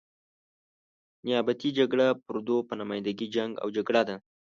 نیابتي جګړه پردو په نماینده ګي جنګ او جګړه ده.